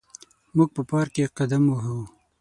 موږ په پارک کې قدم وهو.